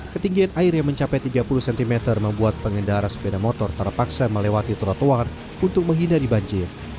ketinggian air yang mencapai tiga puluh cm membuat pengendara sepeda motor terpaksa melewati trotoar untuk menghindari banjir